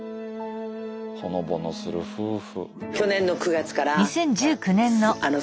ほのぼのする夫婦。